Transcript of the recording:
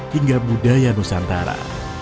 dan juga budaya nusantara